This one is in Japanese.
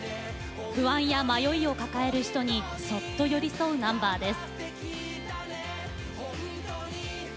不安や迷いを抱える人にそっと寄り添うナンバーです。